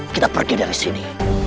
kita pergi dari sini